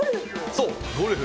そうゴルフ。